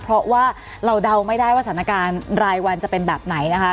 เพราะว่าเราเดาไม่ได้ว่าสถานการณ์รายวันจะเป็นแบบไหนนะคะ